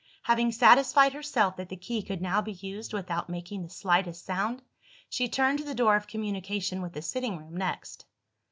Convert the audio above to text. Having satisfied herself that the key could now be used without making the slightest sound, she turned to the door of communication with the sitting room next.